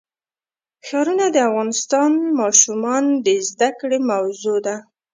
ښارونه د افغان ماشومانو د زده کړې موضوع ده.